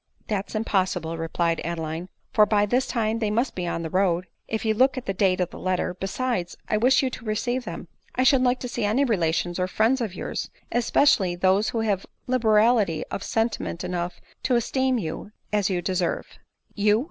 •" That 5 s impossible," replied Adeline, " for by this time they must be on the road, if you look at the date of the letter ; besides, I wish you to receive them ; I should like to see any relations or friends of yours, es pecially those who have liberality of sentiment enough to esteem you as you deserve." " You